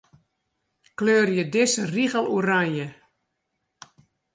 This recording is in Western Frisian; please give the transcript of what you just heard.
Kleurje dizze rigel oranje.